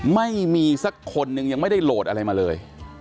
ไม่มีสักคนนึงยังไม่ได้โหลดอะไรมาเลย